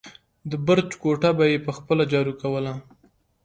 د برج کوټه به يې په خپله جارو کوله.